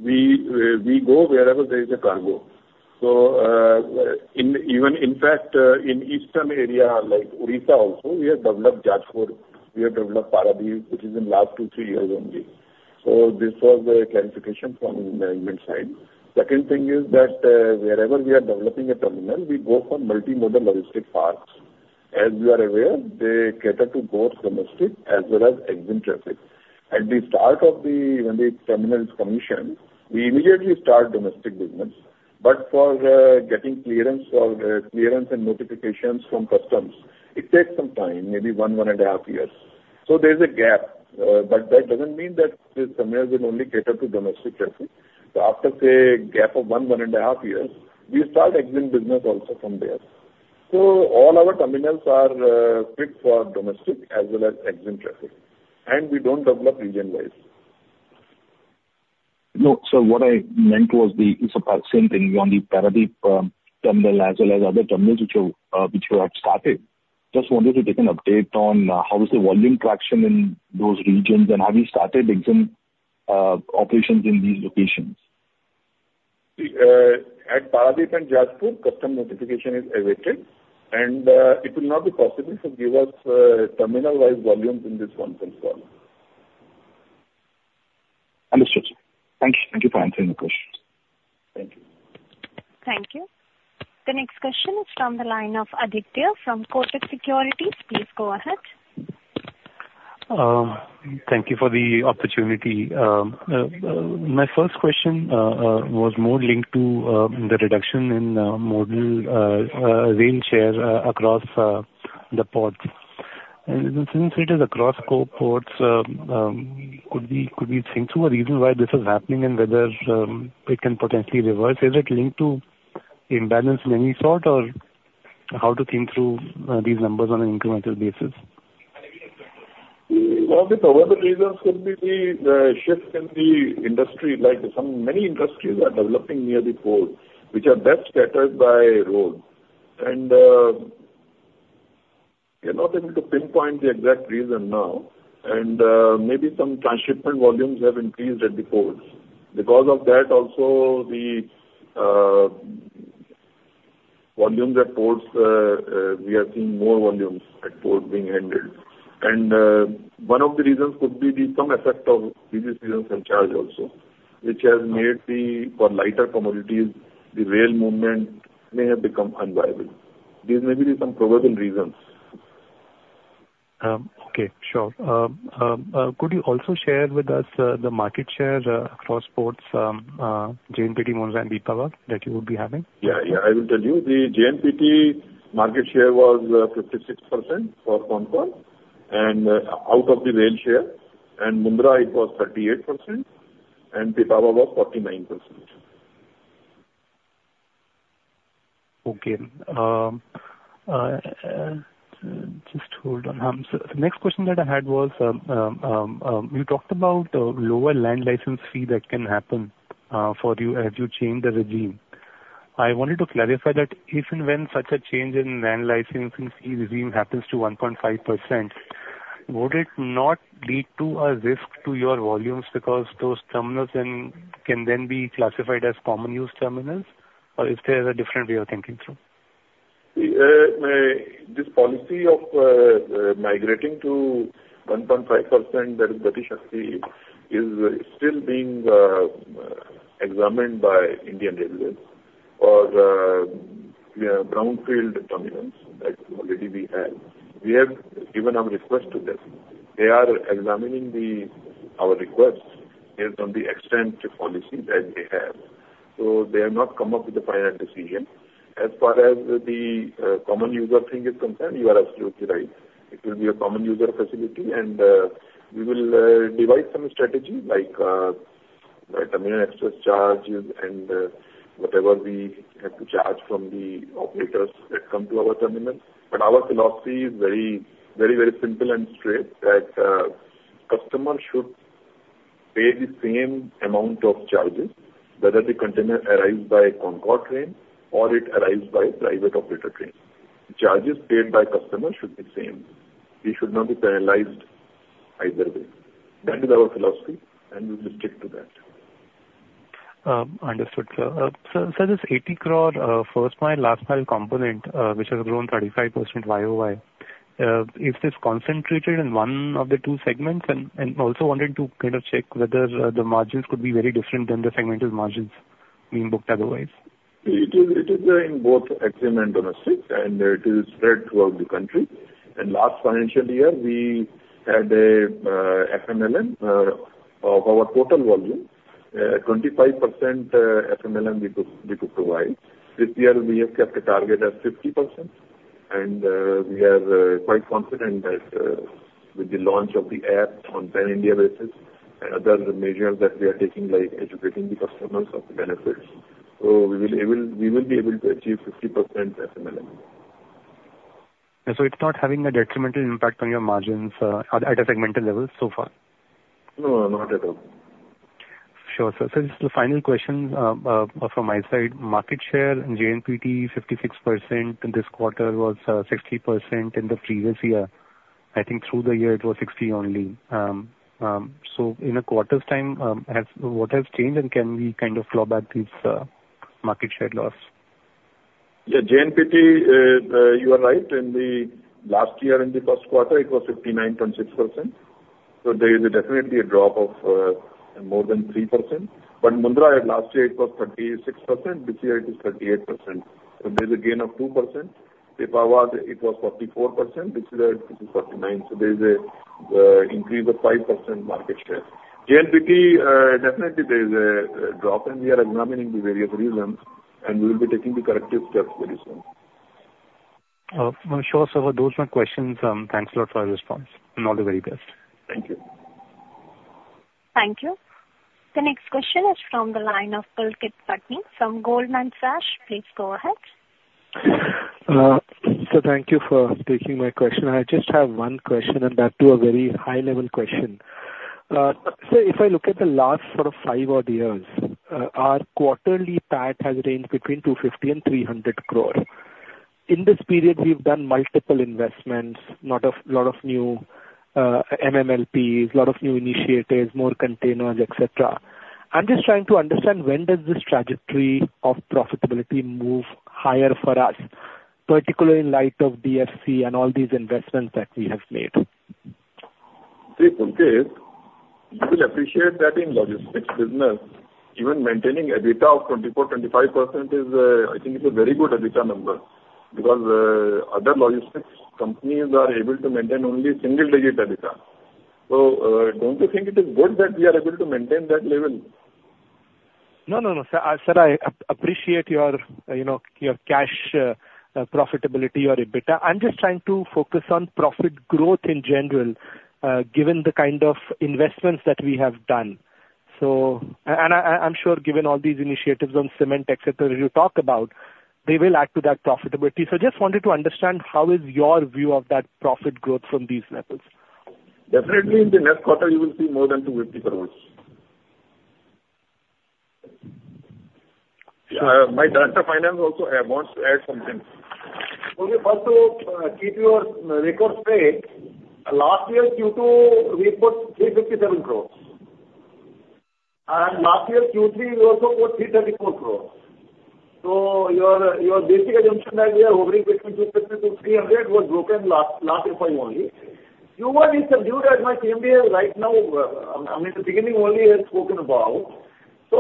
We go wherever there is a cargo. So, in fact, even in the eastern area like Odisha also, we have developed Jajpur, we have developed Paradip, which is in the last 2-3 years only. So this was a clarification from the management side. Second thing is that, wherever we are developing a terminal, we go for multimodal logistic parks. As you are aware, they cater to both domestic as well as export traffic. At the start, when the terminal is commissioned, we immediately start domestic business. But for getting clearance and notifications from customs, it takes some time, maybe 1-1.5 years. So there's a gap, but that doesn't mean that this terminal will only cater to domestic traffic. After, say, a gap of 1, 1.5 years, we start export business also from there. All our terminals are fit for domestic as well as export traffic, and we don't develop region-wide. No, sir, what I meant was the, it's about same thing on the Paradip terminal as well as other terminals which are, which you have started. Just wanted to take an update on, how is the volume traction in those regions, and have you started export operations in these locations? At Paradip and Jajpur, customs notification is awaited, and it will not be possible to give us terminal-wide volumes in this one phone call. Understood, sir. Thank you. Thank you for answering the question. Thank you. Thank you. The next question is from the line of Aditya from Kotak Securities. Please go ahead. Thank you for the opportunity. My first question was more linked to the reduction in modal rail share across the ports. Since it is across core ports, could we think through a reason why this is happening and whether it can potentially reverse? Is it linked to imbalance in any sort, or how to think through these numbers on an incremental basis? One of the probable reasons could be the shift in the industry. Like some many industries are developing near the port, which are best scattered by road. We are not able to pinpoint the exact reason now, and maybe some transshipment volumes have increased at the ports. Because of that also, the volumes at ports we are seeing more volumes at port being handled. One of the reasons could be the some effect of previous seasons and charge also, which has made the, for lighter commodities, the rail movement may have become unviable. These may be some probable reasons. Okay, sure. Could you also share with us the market share across ports, JNPT, Mundra, and Pipavav that you would be having? Yeah, yeah. I will tell you. The JNPT market share was 56% for CONCOR, and out of the rail share, and Mundra it was 38%, and Pipavav was 49%. Okay. Just hold on. So the next question that I had was, you talked about, lower land license fee that can happen, for you as you change the regime. I wanted to clarify that if and when such a change in land licensing fee regime happens to 1.5%, would it not lead to a risk to your volumes because those terminals then, can then be classified as common use terminals, or is there a different way of thinking through? This policy of migrating to 1.5%, that is Gati Shakti, is still being examined by Indian Railways. For the brownfield terminals that already we have, we have given our request to them. They are examining our requests based on the extent of policy that they have. So they have not come up with a final decision. As far as the common user thing is concerned, you are absolutely right. It will be a common user facility, and we will devise some strategy like by terminal extra charges and whatever we have to charge from the operators that come to our terminal. But our philosophy is very, very, very simple and straight, that customer should pay the same amount of charges, whether the container arrives by CONCOR train or it arrives by private operator train. Charges paid by customer should be same. We should not be penalized either way. That is our philosophy, and we will stick to that. Understood, sir. Sir, sir, this 80 crore first mile, last mile component, which has grown 35% YoY, is this concentrated in one of the two segments? And, and also wanted to kind of check whether the margins could be very different than the segmental margins. It is, it is, in both export and domestic, and it is spread throughout the country. In last financial year, we had a FMLM of our total volume, 25% FMLM we could, we could provide. This year we have kept the target at 50%, and we are quite confident that with the launch of the app on pan-India basis and other measures that we are taking, like educating the customers of the benefits, so we will able, we will be able to achieve 50% FMLM. So it's not having a detrimental impact on your margins at a segmental level so far? No, not at all. Sure, sir. Sir, the final question from my side, market share in JNPT, 56%, in this quarter was 60%, in the previous year, I think through the year it was 60% only. So in a quarter's time, what has changed, and can we kind of claw back these market share loss? Yeah, JNPT, you are right. In the last year, in the first quarter, it was 59.6%, so there is definitely a drop of more than 3%. But Mundra last year it was 36%, this year it is 38%, so there's a gain of 2%. Pipavav it was 44%, this year it is 49%, so there's a increase of 5% market share. JNPT, definitely there is a drop, and we are examining the various reasons, and we will be taking the corrective steps very soon. I'm sure, sir. Those are my questions. Thanks a lot for your response, and all the very best. Thank you. Thank you. The next question is from the line of Pulkit Patni from Goldman Sachs. Please go ahead. So thank you for taking my question. I just have one question, and that too, a very high-level question. So if I look at the last sort of five odd years, our quarterly PAT has ranged between 250 crores and 300 crores. In this period, we've done multiple investments, lot of, lot of new MMLPs, lot of new initiatives, more containers, et cetera. I'm just trying to understand when does this trajectory of profitability move higher for us, particularly in light of DFC and all these investments that we have made? See, Pulkit, you will appreciate that in logistics business, even maintaining a EBITDA of 24%-25% is, I think it's a very good EBITDA number, because, other logistics companies are able to maintain only single-digit EBITDA. So, don't you think it is good that we are able to maintain that level? No, no, no, sir. I, sir, I appreciate your, you know, your cash profitability or EBITDA. I'm just trying to focus on profit growth in general, given the kind of investments that we have done. So. And I, I'm sure given all these initiatives on cement, et cetera, you talk about, they will add to that profitability. So just wanted to understand how is your view of that profit growth from these levels? Definitely in the next quarter you will see more than 250 crores. My Director of Finance also wants to add something. Okay. First of all, keep your records straight, last year, Q2, we put 357 crore. And last year, Q3, we also got 334 crore. So your, your basic assumption that we are hovering between 250 crore-300 crore was broken last, last FY only. Q1 is subdued, as my CMD right now, in the beginning only has spoken about. So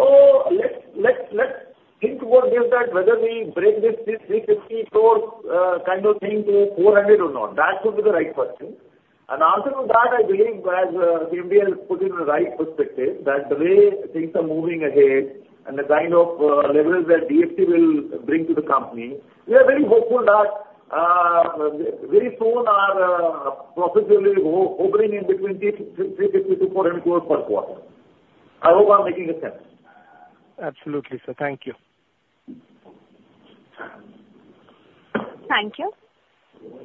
let's, let's, let's think about this, that whether we break this, this 350 crore, kind of thing to 400 crore or not, that would be the right question. Answer to that, I believe, as the MD has put it in the right perspective, that the way things are moving ahead and the kind of levels that DFC will bring to the company, we are very hopeful that very soon our profits will be hovering between 350-400 crore per quarter. I hope I'm making sense. Absolutely, sir. Thank you. Thank you.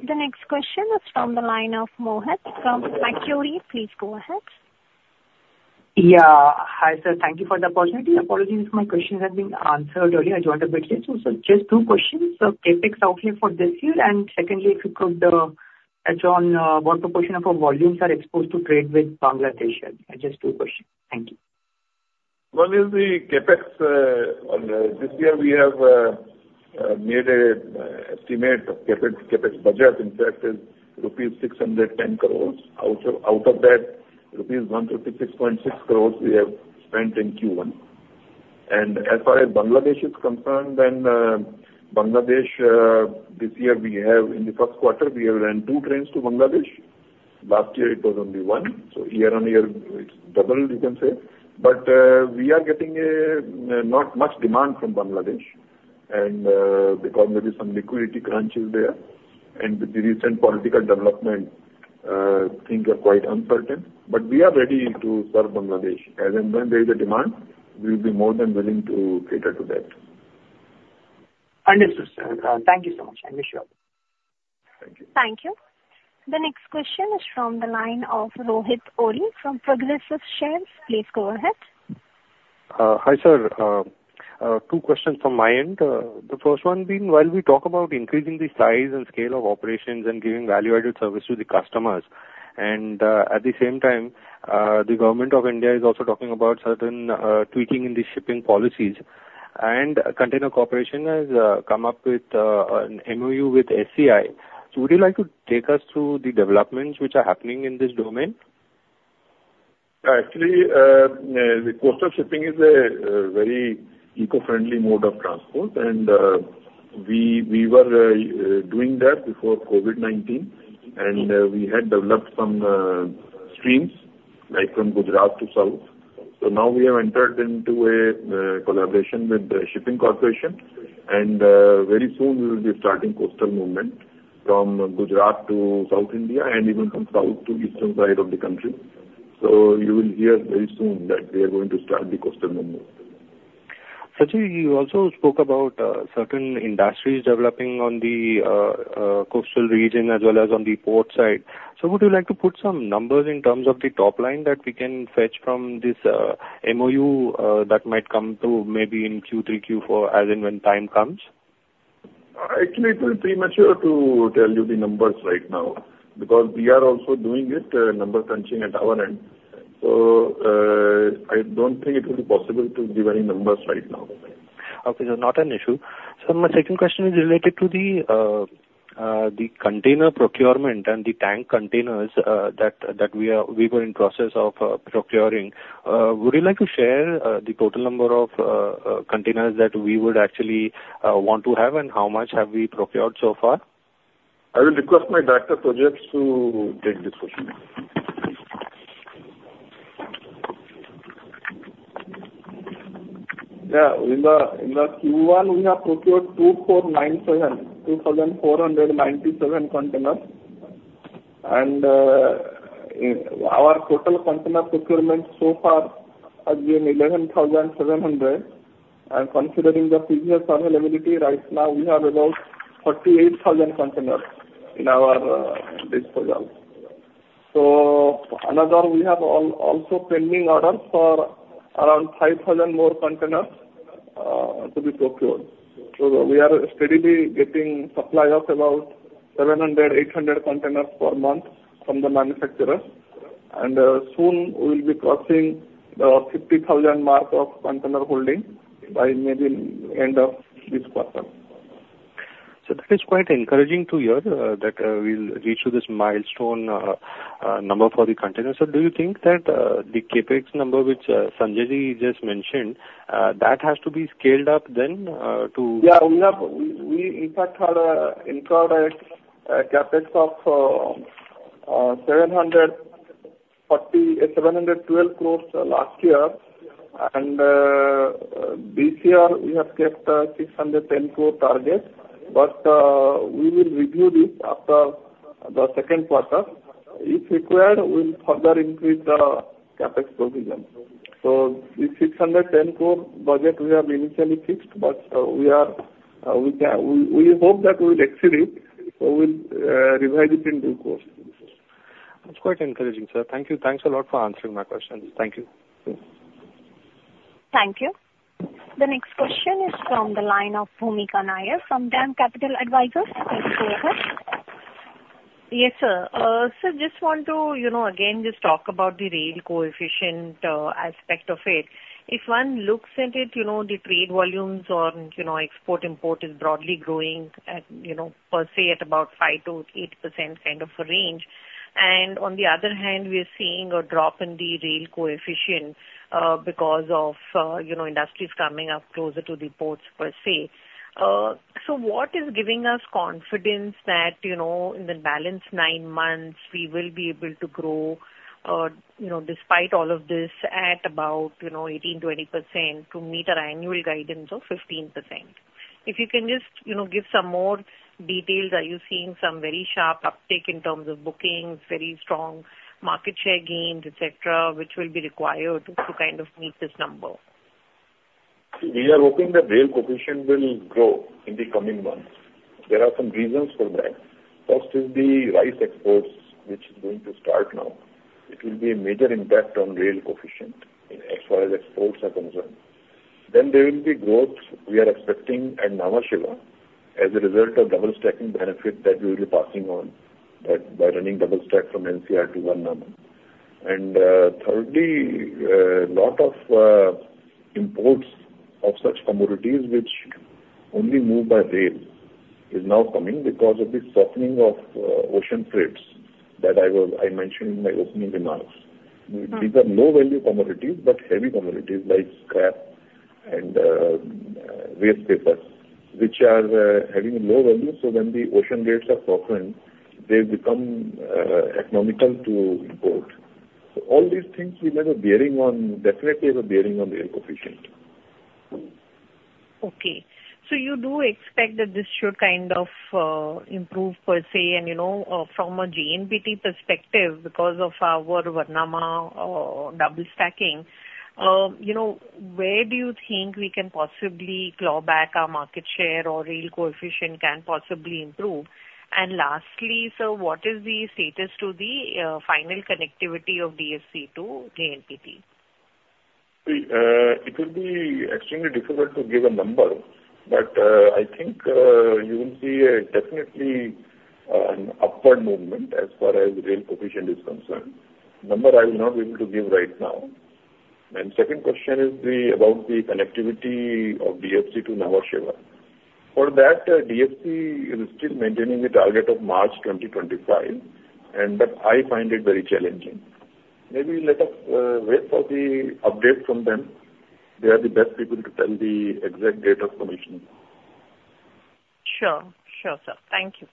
The next question is from the line of Mohit from Axis. Please go ahead. Yeah. Hi, sir. Thank you for the opportunity. Apologies if my questions have been answered earlier, I joined a bit late. So, so just two questions. So CapEx okay for this year, and secondly, if you could, elaborate on what proportion of our volumes are exposed to trade with Bangladesh? Just two questions. Thank you. One is the CapEx. On this year, we have made a estimate of CapEx. CapEx budget, in fact, is rupees 610 crores. Out of that, rupees 156.6 crores we have spent in Q1. As far as Bangladesh is concerned, then, Bangladesh, this year, in the first quarter, we have ran 2 trains to Bangladesh. Last year it was only one, so year-on-year it's doubled, you can say. But we are getting not much demand from Bangladesh, and because maybe some liquidity crunch is there, and with the recent political development, things are quite uncertain. But we are ready to serve Bangladesh. As and when there is a demand, we will be more than willing to cater to that. Understood, sir. Thank you so much. I appreciate it. Thank you. Thank you. The next question is from the line of Rohit Ohri from Progressive Shares. Please go ahead. Hi, sir. Two questions from my end. The first one being, while we talk about increasing the size and scale of operations and giving value-added service to the customers, and, at the same time, the Government of India is also talking about certain tweaking in the shipping policies, and Container Corporation has come up with an MOU with SCI. So would you like to take us through the developments which are happening in this domain? Actually, the coastal shipping is a very eco-friendly mode of transport, and we were doing that before COVID-19, and we had developed some streams, like from Gujarat to South. So now we have entered into a collaboration with the Shipping Corporation, and very soon we will be starting coastal movement from Gujarat to South India and even from south to eastern side of the country. So you will hear very soon that we are going to start the coastal movement. Sanjay, you also spoke about certain industries developing on the coastal region as well as on the port side. So would you like to put some numbers in terms of the top line that we can fetch from this MOU that might come through maybe in Q3, Q4, as and when time comes? Actually, it is premature to tell you the numbers right now, because we are also doing it, number crunching at our end. So, I don't think it will be possible to give any numbers right now. Okay. No, not an issue. So my second question is related to the container procurement and the tank containers that we were in process of procuring. Would you like to share the total number of containers that we would actually want to have, and how much have we procured so far? I will request my Director Projects to take this question. Yeah. In the Q1, we have procured 2,497 containers. Our total container procurement so far has been 11,700. And considering the previous availability, right now, we have about 48,000 containers in our disposal. So we have also pending orders for around 5,000 more containers to be procured. So we are steadily getting supply of about 700-800 containers per month from the manufacturer. And soon we will be crossing the 50,000 mark of container holding by maybe end of this quarter. So that is quite encouraging to hear, that we'll reach to this milestone number for the containers. So do you think that the CapEx number, which Sanjayji just mentioned, that has to be scaled up then, to- Yeah, we have. We in fact had incurred a CapEx of 712 crore last year. And this year we have kept a 610 crore target. But we will review this after the second quarter. If required, we'll further increase the CapEx provision. So the 610 crore budget we have initially fixed, but we hope that we'll exceed it, so we'll revise it in due course. That's quite encouraging, sir. Thank you. Thanks a lot for answering my questions. Thank you. Thank you. The next question is from the line of Bhumika Nair from DAM Capital Advisors. Please go ahead. Yes, sir. So just want to, you know, again, just talk about the rail coefficient aspect of it. If one looks at it, you know, the trade volumes on, you know, export, import is broadly growing at, you know, per se, at about 5%-8% kind of a range. And on the other hand, we are seeing a drop in the rail coefficient because of, you know, industries coming up closer to the ports per se. So what is giving us confidence that, you know, in the balance nine months, we will be able to grow, you know, despite all of this at about, you know, 18%-20%, to meet our annual guidance of 15%? If you can just, you know, give some more details. Are you seeing some very sharp uptick in terms of bookings, very strong market share gains, et cetera, which will be required to, to kind of meet this number? We are hoping the rail coefficient will grow in the coming months. There are some reasons for that. First is the rice exports, which is going to start now. It will be a major impact on rail coefficient in as far as exports are concerned. Then there will be growth we are expecting at Nhava Sheva as a result of double stacking benefit that we will be passing on by running double stack from NCR to Varnama. And, thirdly, lot of imports of such commodities which only move by rail, is now coming because of the softening of ocean freights that I mentioned in my opening remarks. Uh. These are low-value commodities, but heavy commodities like scrap and wastepaper, which are having low value. So when the ocean rates are softened, they become economical to import. So all these things will have a bearing on, definitely have a bearing on the rail coefficient. Okay. So you do expect that this should kind of improve per se, and, you know, from a JNPT perspective, because of our Varnama double stacking, you know, where do you think we can possibly claw back our market share or rail coefficient can possibly improve? And lastly, sir, what is the status to the final connectivity of DFC to JNPT? It will be extremely difficult to give a number, but I think you will see definitely an upward movement as far as rail coefficient is concerned. Number I will not be able to give right now. Second question is about the connectivity of DFC to Visakhapatnam. For that, DFC is still maintaining the target of March 2025, but I find it very challenging. Maybe let us wait for the update from them. They are the best people to tell the exact date of commission. Sure. Sure, sir. Thank you.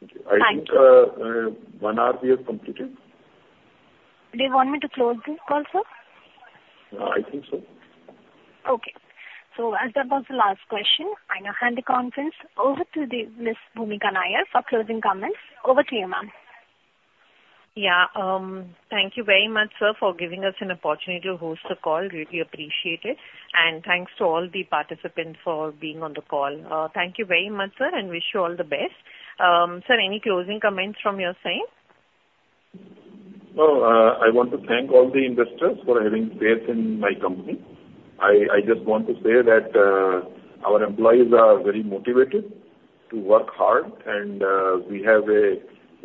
Thank you. Thank you. I think, one hour we have completed. Do you want me to close this call, sir? I think so. Okay. So as that was the last question, I now hand the conference over to Miss Bhoomika Nair for closing comments. Over to you, ma'am. Yeah, thank you very much, sir, for giving us an opportunity to host the call. Really appreciate it. Thanks to all the participants for being on the call. Thank you very much, sir, and wish you all the best. Sir, any closing comments from your side? Well, I want to thank all the investors for having faith in my company. I, I just want to say that, our employees are very motivated to work hard, and, we have a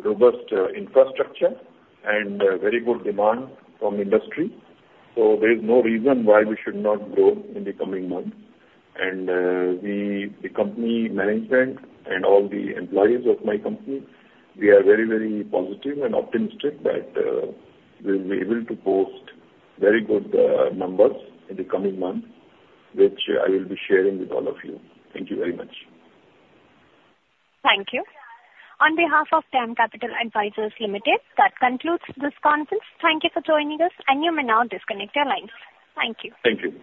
robust, infrastructure and a very good demand from industry. There's no reason why we should not grow in the coming months. The company management and all the employees of my company, we are very, very positive and optimistic that, we'll be able to post very good, numbers in the coming months, which I will be sharing with all of you. Thank you very much. Thank you. On behalf of DAM Capital Advisors Limited, that concludes this conference. Thank you for joining us, and you may now disconnect your lines. Thank you. Thank you.